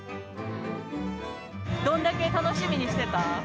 どんだけ楽しみにしてた？